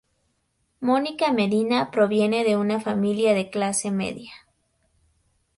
Mónica Medina proviene de una familia de clase media.